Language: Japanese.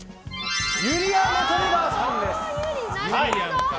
ゆりやんレトリィバァさんです。